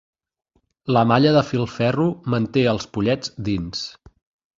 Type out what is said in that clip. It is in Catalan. La malla de filferro manté als pollets dins.